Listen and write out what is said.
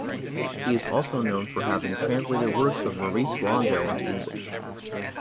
He is also known for having translated works of Maurice Blondel into English.